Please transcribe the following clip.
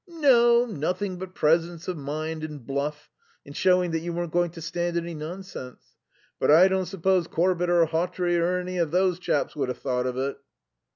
"No; nothing but presence of mind and bluff, and showing that you weren't going to stand any nonsense. But I don't suppose Corbett or Hawtrey or any of those chaps would have thought of it."